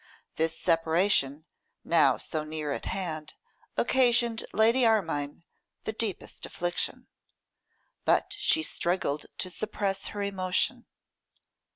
This separation, now so near at hand, occasioned Lady Armine the deepest affliction; but she struggled to suppress her emotion.